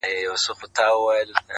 له قاصده سره نسته سلامونه؛